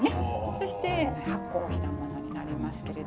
そして発酵したものになりますけれども。